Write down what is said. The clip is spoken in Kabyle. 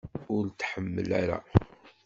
Ur t-tḥemmel ara?